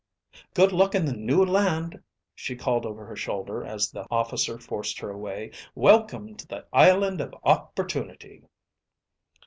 "Good luck in the New Land," she called over her shoulder as the officer forced her away. "Welcome to the Island of Opportunity!"